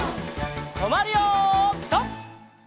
とまるよピタ！